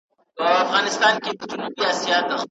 اوبه د انسان لپاره ډېري مهمي دي